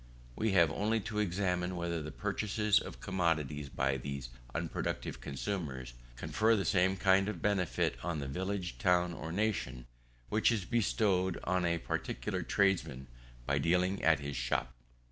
We have only to examine whether the purchases of commodities by these unproductive consumers, confer the same kind of benefit upon the village, town, or nation, which is bestowed upon a particular tradesman by dealing at his shop.